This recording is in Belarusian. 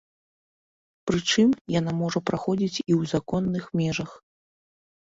Прычым, яна можа праходзіць і ў законных межах.